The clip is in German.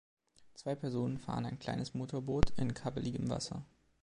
Zwei Personen fahren ein kleines Motorboot in kabbeligem Wasser.